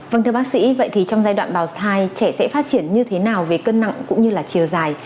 vâng thưa bác sĩ vậy thì trong giai đoạn bào thai trẻ sẽ phát triển như thế nào về cân nặng cũng như là chiều dài